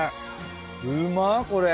うまっこれ。